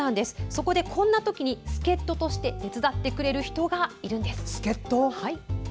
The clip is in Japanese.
そこで、こんなときに助っ人として手伝ってくれる方がいるんです。